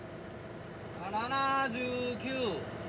７９。